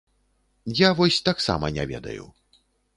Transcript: Я вось таксама не ведаю.